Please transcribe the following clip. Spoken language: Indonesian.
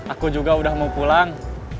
aku juga udah mau pulang